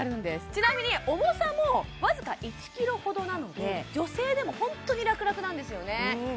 ちなみに重さも僅か１ｋｇほどなので女性でもホントに楽々なんですよね